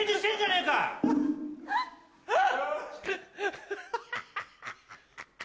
えっ！